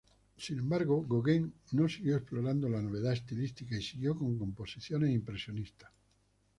Sin embargo, Gauguin no siguió explorando la novedad estilística y siguió con composiciones impresionistas.